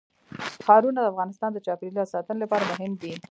ښارونه د افغانستان د چاپیریال ساتنې لپاره مهم دي.